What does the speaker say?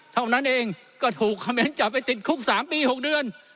เท่านั้นเองก็ถูกซ่อมอย่างจะไปติดคุก๓ปี๖เดือน